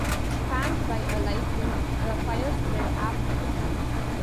Fanned by a light wind, the fire spread aft quickly.